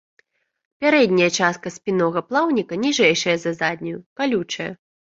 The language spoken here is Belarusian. Пярэдняя частка спіннога плаўніка ніжэйшая за заднюю, калючая.